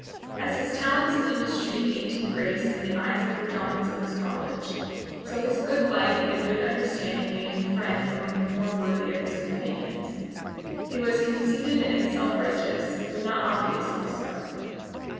As his talents and industry gained him grace in the eyes of the dons of his college, so his good life and good understanding made him friends among the more worthy of his companions. He was conceited and self righteous, but not obviously so.